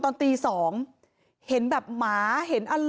หมาก็เห่าตลอดคืนเลยเหมือนมีผีจริง